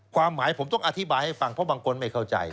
ความหมายผมต้องอธิบายให้ฟังเพราะบางคนไม่เข้าใจ